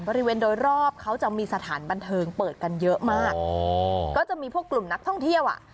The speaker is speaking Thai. บริเวณโดยรอบเขาจะมีสถานบันเทิงเปิดกันเยอะมากอ๋อก็จะมีพวกกลุ่มนักท่องเที่ยวอ่ะ